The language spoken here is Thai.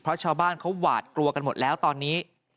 เพราะชาวบ้านเขาหวาดกลัวกันหมดแล้วตอนนี้